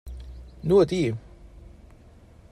Nur die!